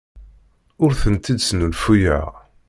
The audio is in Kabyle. Ur tent-id-snulfuyeɣ.